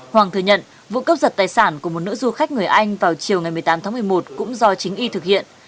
hoàng thừa nhận vụ cấp giật tài sản của một nữ du khách người anh vào chiều ngày một mươi tám tháng một mươi một cũng do chính y thực hiện